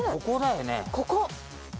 ここ！